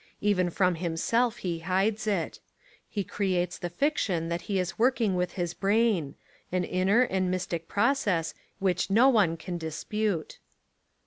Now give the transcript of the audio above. Even from him self he hides it. He creates the fiction that he is working with his brain — an inner and mys tic process which no one can dispute.